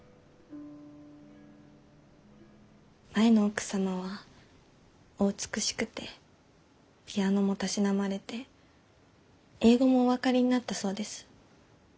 前の奥様はお美しくてピアノもたしなまれて英語もお分かりになったそうです。